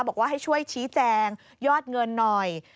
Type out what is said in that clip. บอกว่าให้ช่วยชี้แจงยอดเงินหน่อย